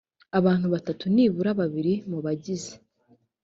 abantu batatu nibura babiri mu bagize